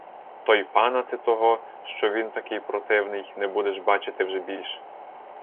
То й пана ти того, що він такий противний, не будеш бачити вже більш!